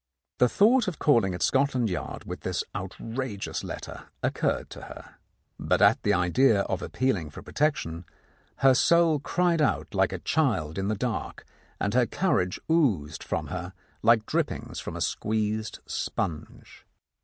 The thought of calling at Scotland Yard with this outrageous letter occurred to her, but at the idea of appealing for protection her soul cried out like a child in the dark, and her courage oozed from her like drippings from a squeezed sponge.